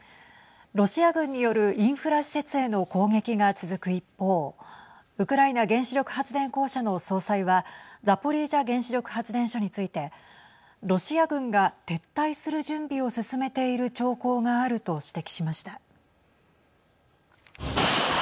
ロシア軍によるインフラ施設への攻撃が続く一方ウクライナ原子力発電公社の総裁はザポリージャ原子力発電所についてロシア軍が撤退する準備を進めている兆候があると指摘しました。